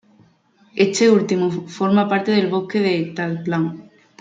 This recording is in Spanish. Este último forma parte del Bosque de Tlalpan.